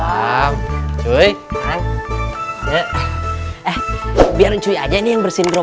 awalnya aku terserah